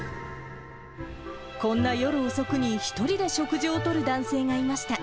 こんな夜遅くに１人で食事をとる男性がいました。